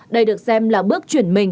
đây được xem là bước chuyển mình